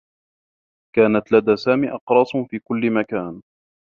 كانت لدى سامي أقراص في كلّ مكان.